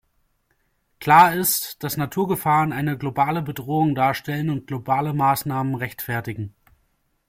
Klar ist, dass Naturgefahren eine globale Bedrohung darstellen und globale Maßnahmen rechtfertigen.